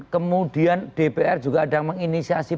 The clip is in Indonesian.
kemudian dpr juga ada yang menginisiasi